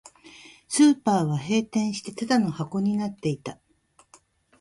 スーパーは閉店して、ただの箱になっていた